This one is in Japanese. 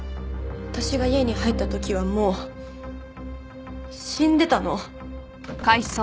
私が家に入った時はもう死んでたの！